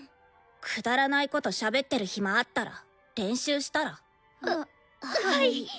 くだらないことしゃべってる暇あったら練習したら？ははい。